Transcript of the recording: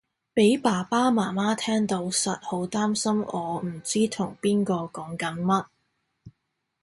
俾爸爸媽媽聽到實好擔心我唔知同邊個講緊乜